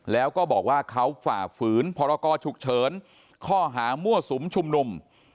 แล้วก็บอกว่าเขาฝ่าฝืนพรกรฉุกเฉินข้อหามั่วสุมชุมนุม